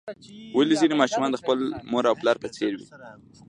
ولې ځینې ماشومان د خپل مور او پلار په څیر وي